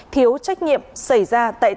thiếu trách nhiệm xảy ra tại tổng